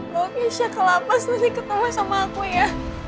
lo bisa kelapa sedikit sama aku ya